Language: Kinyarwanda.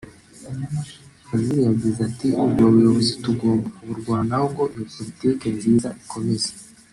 Fazil yagize ati ”Ubwo buyobozi tugomba kuburwanaho ngo iyo politiki nziza ikomeze’’